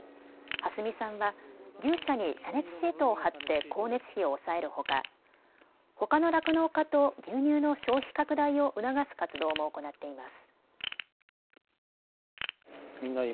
蓮實さんは牛舎に遮熱シートを張って光熱費を抑えるほかほかの酪農家と牛乳の消費拡大を促す活動も行っています。